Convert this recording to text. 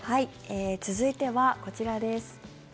続いてはこちらです。